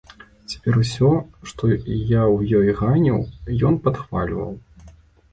Цяпер усё, што я ў ёй ганіў, ён падхвальваў.